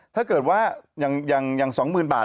ถ้าเกิดว่าอย่าง๒๐๐๐บาท